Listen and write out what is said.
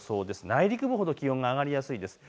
内陸部ほど気温が上がりやすいです。